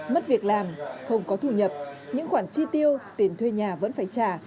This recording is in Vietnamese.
mất việc làm không có thu nhập những khoản chi tiêu tiền thuê nhà vẫn phải trả